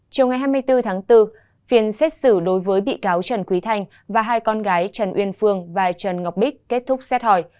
chiều ngày hai mươi bốn tháng bốn phiên xét xử đối với bị cáo trần quý thanh và hai con gái trần uyên phương và trần ngọc bích kết thúc xét hỏi